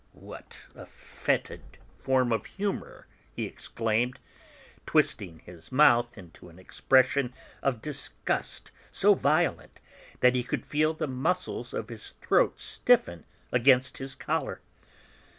"What a fetid form of humour!" he exclaimed, twisting his mouth into an expression of disgust so violent that he could feel the muscles of his throat stiffen against his collar.